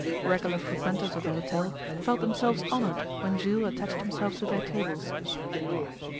Regular frequenters of the hotel felt themselves honoured when Jules attached himself to their tables.